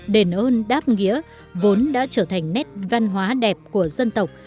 đền ơn đáp nghĩa vốn đã trở thành nét văn hóa đẹp của dân tộc